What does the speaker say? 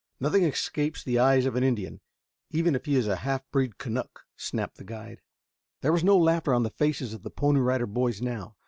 Nothing escapes the eyes of an Indian, even if he is a half breed Kanuck," snapped the guide. There was no laughter on the faces of the Pony Rider Boys now.